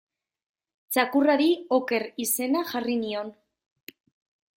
Txakurrari Oker izena jarri nion.